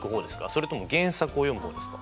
それとも原作を読む方ですか？